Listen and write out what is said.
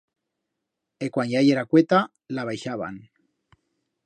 E cuan ya yera cueta, la baixaban.